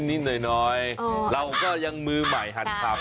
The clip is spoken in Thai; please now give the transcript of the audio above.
นิดหน่อยเราก็ยังมือใหม่หันขับ